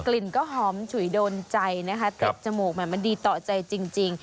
กลิ่นก็หอมฉุยโดนใจนะคะติดจมูกมันดีต่อใจจริง